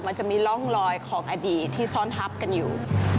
มันจะมีร่องรอยของอดีตที่ซ่อนทับกันอยู่